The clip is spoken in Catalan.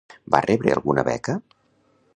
Va rebre alguna beca?